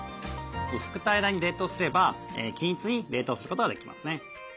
薄く平らに冷凍すれば均一に冷凍することができますね。